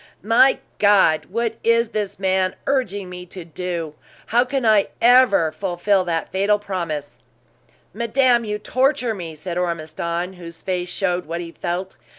"My God! What is this man urging me to do? How can I ever fulfill that fatal promise?" "Madame, you torture me!" said Ormiston, whose face showed what he felt.